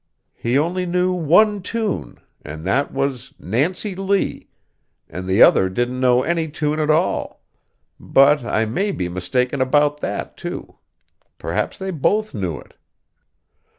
He only knew one tune, and that was "Nancy Lee," and the other didn't know any tune at all; but I may be mistaken about that, too. Perhaps they both knew it.